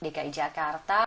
ada dki jakarta